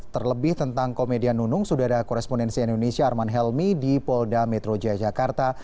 terlebih tentang komedian nunung sudah ada korespondensi indonesia arman helmi di polda metro jaya jakarta